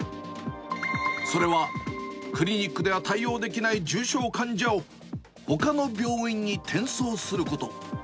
それは、クリニックでは対応できない重症患者を、ほかの病院に転送すること。